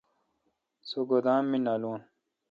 سو گودام می نالون۔